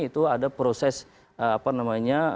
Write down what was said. itu ada proses apa namanya